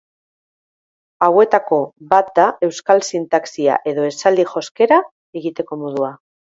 Hauetako bat da euskal sintaxia edo esaldi-joskera egiteko modua.